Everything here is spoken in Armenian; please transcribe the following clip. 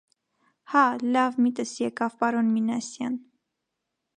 Հա՛, լավ միտս եկավ, պարոն Մինասյան.